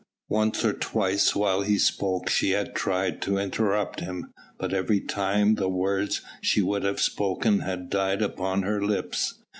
Once or twice whilst he spoke she had tried to interrupt him, but every time the words she would have spoken had died upon her lips.